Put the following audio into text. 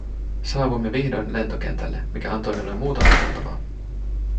Saavuimme vihdoin lentokentälle, mikä antoi minulle muuta ajateltavaa.